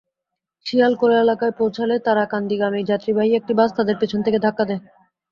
শিয়ালকোল এলাকায় পৌঁছালে তারাকান্দিগামী যাত্রীবাহী একটি বাস তাঁদের পেছন থেকে ধাক্কা দেয়।